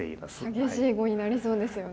激しい碁になりそうですよね。